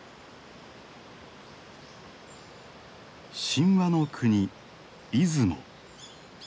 神話の国出雲。